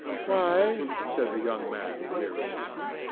"Why?" said the younger man wearily.